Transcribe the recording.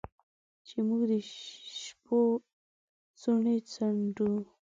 چې موږ د شپو څوڼې څنډو